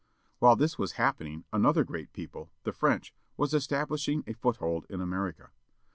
While this was happening another great people, the French, was establishing a foothold in America.